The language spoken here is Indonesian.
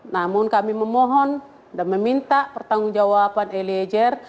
namun kami memohon dan meminta pertanggungjawaban elieger